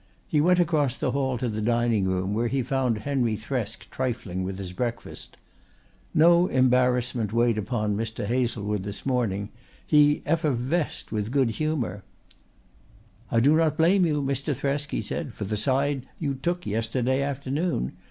He went across the hall to the dining room, where he found Henry Thresk trifling with his breakfast. No embarrassment weighed upon Mr. Hazlewood this morning. He effervesced with good humour. "I do not blame you, Mr. Thresk," he said, "for the side you took yesterday afternoon.